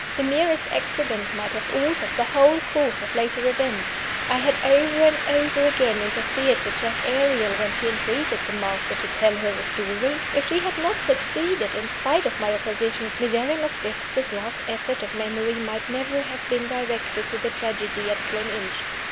The merest accident might have altered the whole course of later events. I had over and over again interfered to check Ariel when she entreated the Master to "tell her a story." If she had not succeeded, in spite of my opposition, Miserrimus Dexter's last effort of memory might never have been directed to the tragedy at Gleninch.